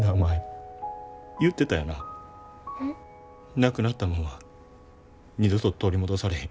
なくなったもんは二度と取り戻されへん。